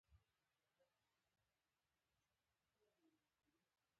• د سهار لومړۍ شېبه د دعا لپاره غوره ده.